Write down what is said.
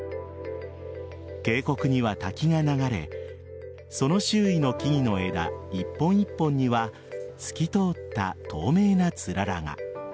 渓谷には滝が流れその周囲の木々の枝一本一本には透き通った透明なつららが。